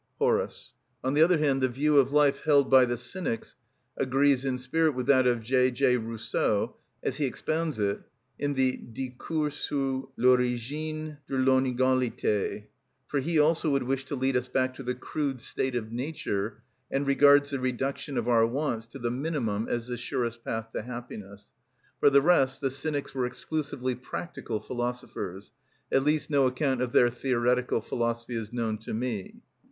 _"—Hor. On the other hand, the view of life held by the Cynics agrees in spirit with that of J. J. Rousseau as he expounds it in the "Discours sur l'Origine de l'Inégalité." For he also would wish to lead us back to the crude state of nature, and regards the reduction of our wants to the minimum as the surest path to happiness. For the rest, the Cynics were exclusively practical philosophers: at least no account of their theoretical philosophy is known to me.